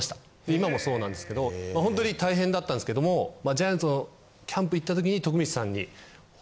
今もそうなんですけどホントに大変だったんですけどもジャイアンツのキャンプ行ったときに。